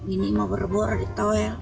ini mau berbor di toel